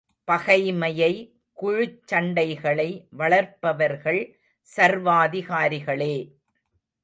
பகைமையை, குழுச் சண்டைகளை வளர்ப்பவர்கள் சர்வாதிகாரிகளே!